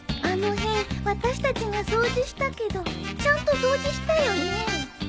あの辺私たちが掃除したけどちゃんと掃除したよねえ。